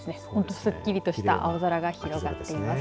すっきりとした青空が広がっています。